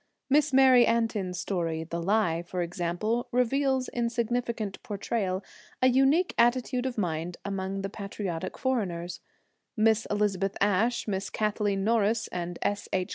Miss Mary Antin's story, 'The Lie,' for example, reveals, in significant portrayal, a unique attitude of mind among the patriotic foreigners; Miss Elizabeth Ashe, Miss Kathleen Norris, and S. H.